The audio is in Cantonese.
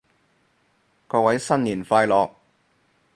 各位新年快樂